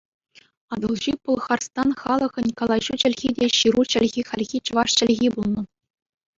Атӑлҫи Пӑлхарстан халӑхӗн калаҫу чӗлхи те ҫыру чӗлхи хальхи чӑваш чӗлхи пулнӑ.